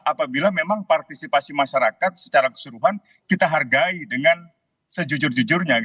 apabila memang partisipasi masyarakat secara keseluruhan kita hargai dengan sejujur jujurnya